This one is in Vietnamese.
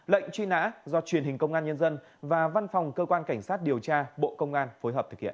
lệnh truy nã do truyền hình công an nhân dân và văn phòng cơ quan cảnh sát điều tra bộ công an phối hợp thực hiện